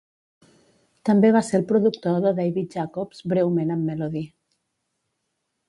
També va ser el productor de David Jacobs breument amb Melody.